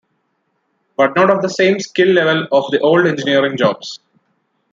But not of the same skill level of the old engineering jobs lost.